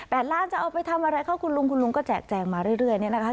ล้านจะเอาไปทำอะไรเข้าคุณลุงคุณลุงก็แจกแจงมาเรื่อยเนี่ยนะคะ